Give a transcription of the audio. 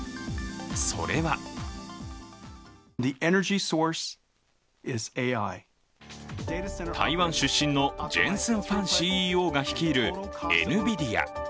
それは台湾出身のジェンスン・ファンＣＥＯが率いるエヌビディア。